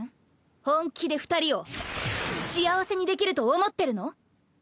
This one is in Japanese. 本気で二人を幸せにできると思ってるの？